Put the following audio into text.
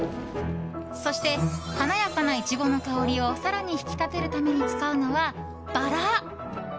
そして華やかなイチゴの香りを更に引き立てるために使うのはバラ。